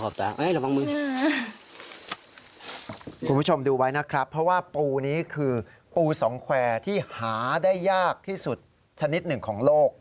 คุณผู้ชมดูไว้นะครับเพราะว่าปูนี้คือปูสองแควร์ที่หาได้ยากที่สุดชนิดหนึ่งของโลก